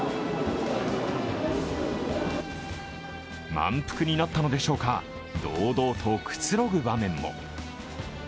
満腹になったのでしょうか、堂々とくつろぐ場面も。